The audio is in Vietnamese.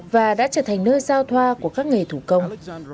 và đã trở thành nơi giao thoa của các nghề thủ công